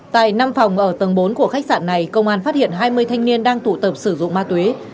tại năm phòng ở tầng bốn của khách sạn này công an phát hiện hai mươi thanh niên đang tụ tập sử dụng ma túy